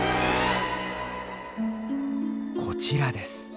こちらです。